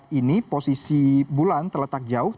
saat ini posisi bulan terletak jauh